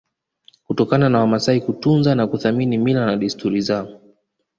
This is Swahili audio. kutokana na Wamasai kutunza na kuthamini mila na desturi zao